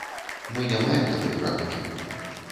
Мы не маем такой практыкі.